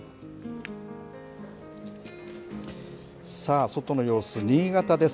さあ、外の様子、新潟です。